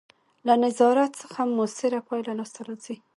له نظارت څخه مؤثره پایله لاسته راځي.